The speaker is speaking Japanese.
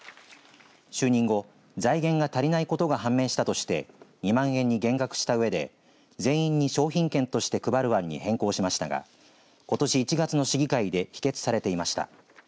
就任後、財源が足りないことが判明したとして２万円に減額したうえで全員に商品券として配る案に変更しましたがことし１月の市議会で否決されていました。